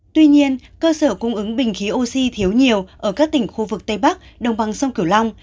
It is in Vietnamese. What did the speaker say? tuy nhiên cơ sở cung ứng bình khí oxy thiếu nhiều ở các tỉnh khu vực tây bắc đồng bằng sông cửu long